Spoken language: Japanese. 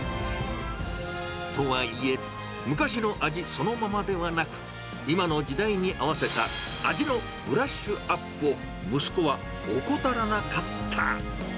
とはいえ、昔の味そのままではなく、今の時代に合わせた味のブラッシュアップを、息子は怠らなかった。